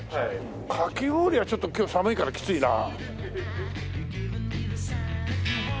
かき氷はちょっと今日寒いからきついなあ。